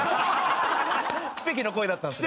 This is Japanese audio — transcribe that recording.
奇跡の声だったんですね。